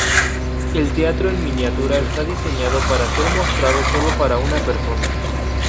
El teatro en miniatura está diseñado para ser mostrado solo para una persona.